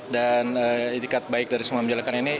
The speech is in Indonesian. dan ikat baik dari semua menjalankan ini